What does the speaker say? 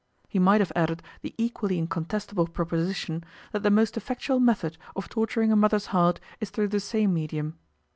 He might have added the equally incontestable proposition that the most effectual method of torturing a mother's heart is through the same medium.